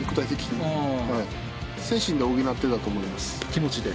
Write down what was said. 気持ちで？